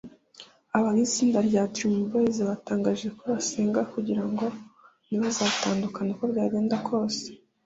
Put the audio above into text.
abagize itsinda rya Dream Boys batangaje ko basenga kuringo ntibazatandukane uko byagenda kose